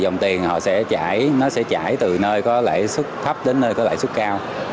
nó sẽ chảy từ nơi có lãi xuất thấp đến nơi có lãi xuất cao